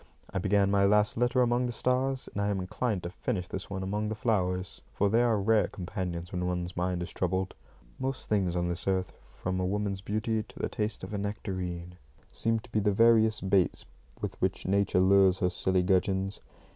I began my last letter among the stars, and I am inclined to finish this one among the flowers, for they are rare companions when one's mind is troubled. Most things on this earth, from a woman's beauty to the taste of a nectarine, seem to be the various baits with which Nature lures her silly gudgeons.